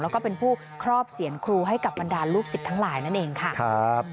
แล้วก็เป็นผู้ครอบเสียนครูให้กับบรรดาลูกศิษย์ทั้งหลายนั่นเองค่ะ